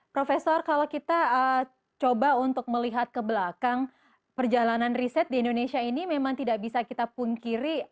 profesor kalau kita coba untuk melihat ke belakang perjalanan riset di indonesia ini memang tidak bisa kita pungkiri